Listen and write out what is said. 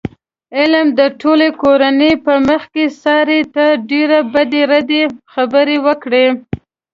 علي د ټولې کورنۍ په مخ کې سارې ته ډېرې بدې ردې خبرې وکړلې.